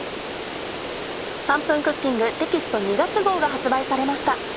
『３分クッキング』テキスト２月号が発売されました。